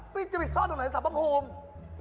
พี่จะไปซ่อนตรงไหนสารพระภูมิ